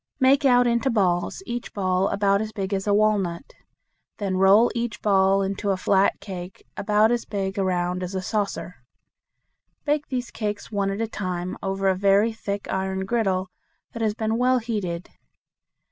Make out into balls, each ball about as big as a walnut. Then roll each ball into a flat cake about as big around as a saucer. Bake these cakes one at a time over a very thick iron griddle that has been well heated.